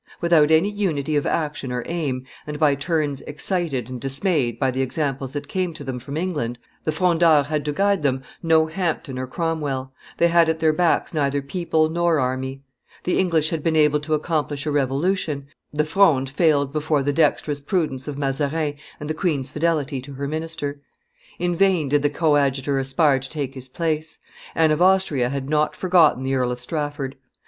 Without any unity of action or aim, and by turns excited and dismayed by the examples that came to them from England, the Frondeurs had to guide them no Hampden or Cromwell; they had at their backs neither people nor army; the English had been able to accomplish a revolution; the Fronde failed before the dexterous prudence of Mazarin and the queen's fidelity to her minister. In vain did the coadjutor aspire to take his place; Anne of Austria had not forgotten the Earl of Strafford.